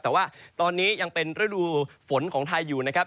แต่ว่าตอนนี้ยังเป็นฤดูฝนของไทยอยู่นะครับ